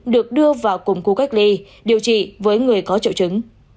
được đưa vào củng cú cách ly điều trị với người có triệu chứng